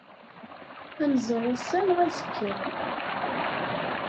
Ad nẓer ass-a neɣ azekka.